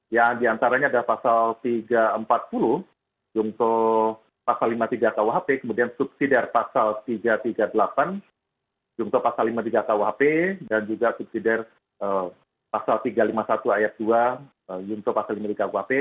yang diantaranya ada pasal tiga ratus empat puluh jungto pasal lima puluh tiga kuhp kemudian subsidi pasal tiga ratus tiga puluh delapan jungto pasal lima puluh tiga kuhp dan juga subsidi dari pasal tiga ratus lima puluh satu ayat dua junto pasal lima puluh tiga kuhp